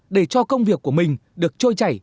để cho công việc của mình được trôi chảy